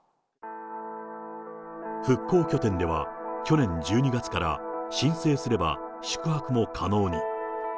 復興拠点では、去年１２月から申請すれば、宿泊も可能に。